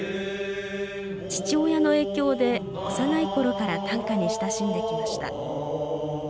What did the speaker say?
父親の影響で幼いころから短歌に親しんできました。